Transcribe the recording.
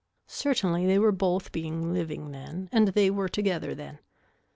Certainly they were both being living then and they were together then.